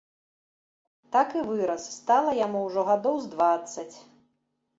Так і вырас, стала яму ўжо гадоў з дваццаць.